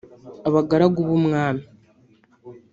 Abagaragu b’Umwami